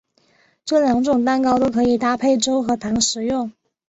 这两种蛋糕都可以搭配粥和糖食用。